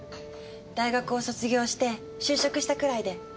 大学を卒業して就職したくらいで。